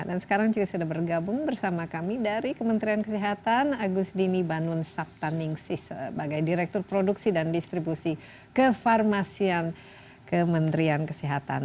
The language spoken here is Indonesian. dan sekarang juga sudah bergabung bersama kami dari kementerian kesehatan agus dini bannun saptaningsis sebagai direktur produksi dan distribusi kefarmasian kementerian kesehatan